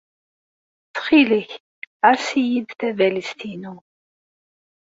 Ttxil-k, ɛass-iyi-d tabalizt-inu.